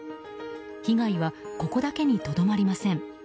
被害はここだけにとどまりません。